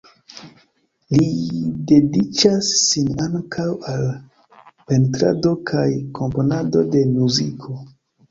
Li dediĉas sin ankaŭ al pentrado kaj komponado de muziko.